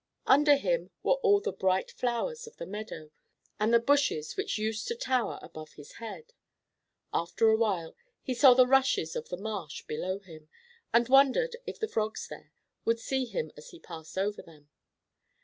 Under him were all the bright flowers of the meadow, and the bushes which used to tower above his head. After a while, he saw the rushes of the marsh below him, and wondered if the Frogs there would see him as he passed over them.